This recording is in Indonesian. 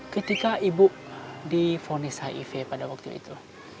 ketika ibu difonis hiv pada waktu itu